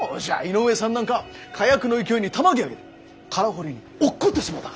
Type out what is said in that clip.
井上さんなんか火薬の勢いにたまげあげて空濠に落っこってしもうた。